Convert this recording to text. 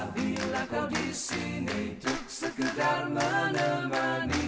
bila kau disini duk sekedar menemani